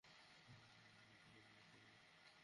ভাইরে ভাই, এ শহরের মানুষ এভাবে কেন গাড়ি চালায়?